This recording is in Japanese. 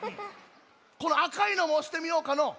このあかいのもおしてみようかのう。